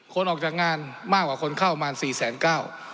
คนออกจากงานมากกว่าคนเข้าประมาณสี่แสนเก้า